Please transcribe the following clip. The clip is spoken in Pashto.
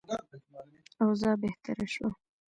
اوضاع بهتره شوه.